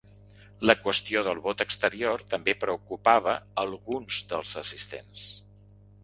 La qüestió del vot exterior també preocupava alguns dels assistents.